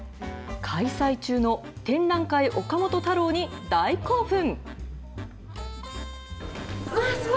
開催中の展覧会・岡本太郎に大興奮。